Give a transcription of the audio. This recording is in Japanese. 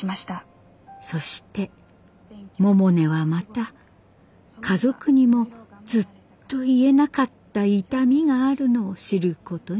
そして百音はまた家族にもずっと言えなかった痛みがあるのを知ることになります。